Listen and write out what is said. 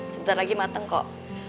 sebentar lagi mateng kok